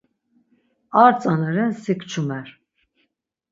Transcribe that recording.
Ar tzana ren si kçumer.